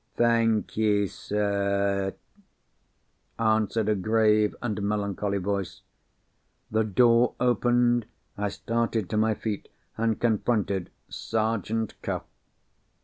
"Thank you, sir," answered a grave and melancholy voice. The door opened. I started to my feet, and confronted—Sergeant Cuff!